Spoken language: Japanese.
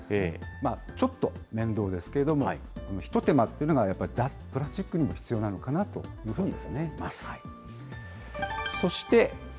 ちょっと面倒ですけれども、一手間っていうのが、やはり脱プラスチックにも必要なのかなというふうに思います。